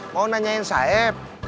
mau nanyain saib